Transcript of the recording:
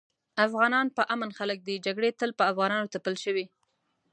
افغانان پر امن خلک دي جګړي تل په افغانانو تپل شوي